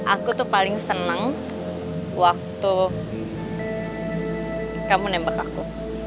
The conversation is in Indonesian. aku tuh paling seneng waktu kamu nembak aku